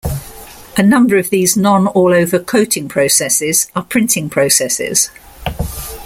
A number of these non-all-over coating processes are printing processes.